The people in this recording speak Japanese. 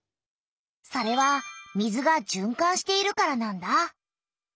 それは水がじゅんかんしているからなんだ。